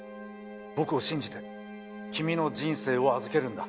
僕を信じて君の人生を預けるんだ。